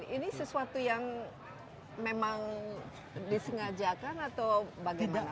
ini sesuatu yang memang disengajakan atau bagaimana